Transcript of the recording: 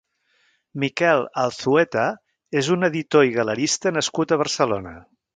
Miquel Alzueta és un editor i galerista nascut a Barcelona.